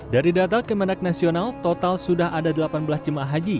dari data kemenang nasional total sudah ada delapan belas jemaah haji